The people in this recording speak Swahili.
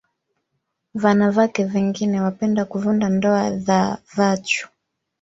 Vanavake vengine wapenda kuvunda ndoa dha vachu